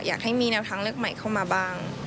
อยากให้มีแนวทางเลือกใหม่เข้ามาบ้าง